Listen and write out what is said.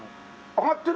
上がってる！